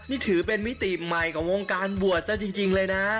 นี่ถือเป็นมิติใหม่ของวงการบวชซะจริงเลยนะ